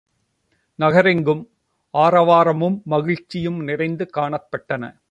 நகரெங்கும் ஆரவாரமும் மகிழ்ச்சியும் நிறைந்து காணப்பட்டன.